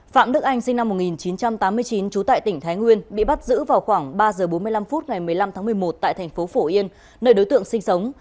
phạm đức anh sinh năm một nghìn chín trăm tám mươi chín trú tại tỉnh thái nguyên bị bắt giữ vào khoảng ba giờ bốn mươi năm phút ngày một mươi năm tháng một mươi một tại thành phố phổ yên nơi đối tượng sinh sống